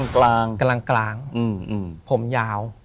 กลางผมยาว